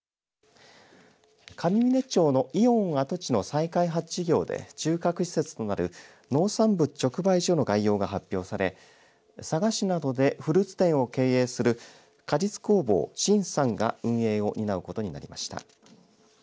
上峰町のイオン跡地の再発開発事業で中核施設となる農産物直売所の概要が発表され佐賀市などでフルーツ店を経営する果実工房新ＳＵＮが運営を担うことになりました。